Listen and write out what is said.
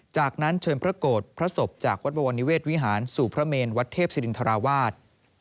จากนั้นเชิญพระโกรธพระศพจากวัดบวรนิเวศวิหารสู่พระเมนวัดเทพศิรินทราวาส